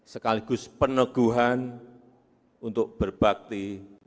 sekaligus peneguhan untuk berbakti